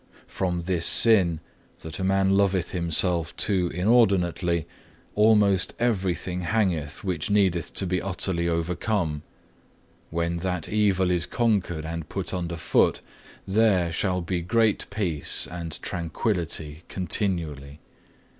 From this sin, that a man loveth himself too inordinately, almost everything hangeth which needeth to be utterly overcome: when that evil is conquered and put under foot, there shall be great peace and tranquillity continually.